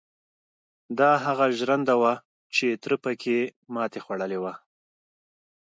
دا هغه ژرنده وه چې تره پکې ماتې خوړلې وه.